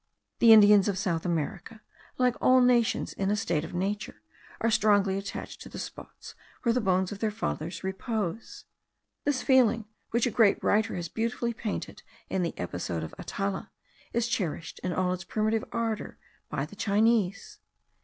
The Indians of South America, like all nations in a state of nature, are strongly attached to the spots where the bones of their fathers repose. This feeling, which a great writer has beautifully painted in the episode of Atala, is cherished in all its primitive ardour by the Chinese.